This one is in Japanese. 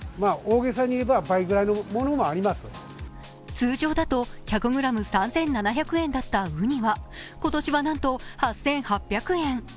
通常だと１００ｇ３７００円だったうには今年は何と８８００円。